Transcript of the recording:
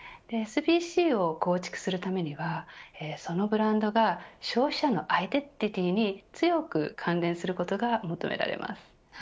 ＳＢＣを構築するためにはそのブランドが消費者のアイデンティティーに強く関連することが求められます。